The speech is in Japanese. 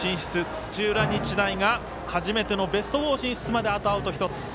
土浦日大が初めてのベスト４進出まであとアウト１つ。